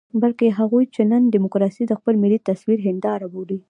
بلکې هغوی چې نن ډيموکراسي د خپل ملي تصوير هنداره بولي.